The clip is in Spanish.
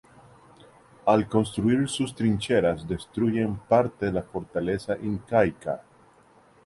Al construir sus trincheras destruyen parte de la fortaleza incaica.